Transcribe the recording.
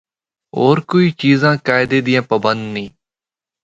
ہور کوئی چیزاں قائدے دیاں پابند نیں۔